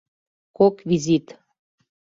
Кок визит